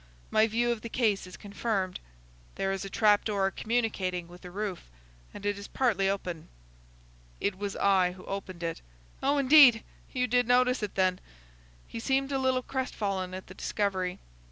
My view of the case is confirmed. There is a trap door communicating with the roof, and it is partly open." "It was I who opened it." "Oh, indeed! You did notice it, then?" He seemed a little crestfallen at the discovery.